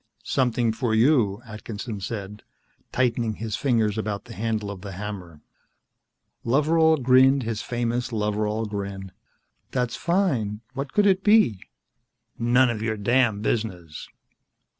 "Something for you," Atkinson said, tightening his fingers about the handle of the hammer. Loveral grinned his famous Loveral grin. "That's fine. What could it be?" "None of your damned business."